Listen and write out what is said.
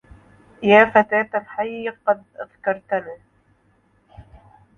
يا فتاة الحي قد أذكرتنا